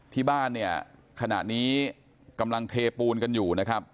ที่บ้านเนี่ยขณะนี้กำลังเทปูนกันอยู่นะครับ